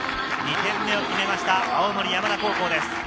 ２点目を決めました、青森山田高校です。